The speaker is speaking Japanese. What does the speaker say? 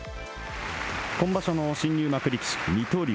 今場所の新入幕力士水戸龍。